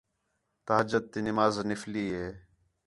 تہجد تی نماز نفلی ہِے